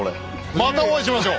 またお会いしましょう。